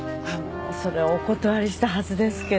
それはお断りしたはずですけど。